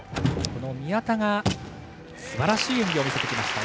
この宮田が、すばらしい演技を見せてくれました。